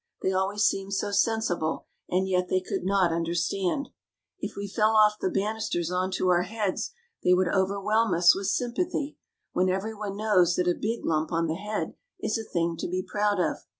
They always seemed so sensible and yet they could not understand. If we fell off the banisters on to our heads they would overwhelm us with sympathy, when every one knows that a big lump on the head is a thing to be proud of.